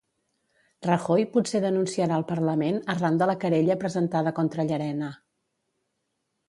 Rajoy potser denunciarà el parlament arran de la querella presentada contra Llarena.